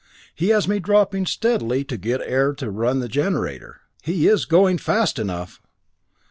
He has me dropping steadily to get air to run the generator. He is going fast enough!"